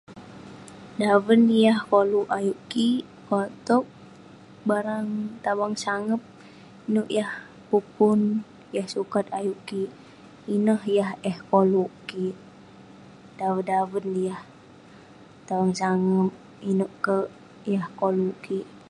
Daven yah koluk ayuk kik, konak toq barang tabang sangep neuk yah pun pun yah sukat ayuk kik. Ineh yah eh koluk kik. Daven-daven yah tabang sangep ineuk kek yah koluk kik.